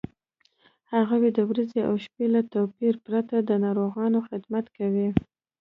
هغوی د ورځې او شپې له توپیره پرته د ناروغانو خدمت کوي.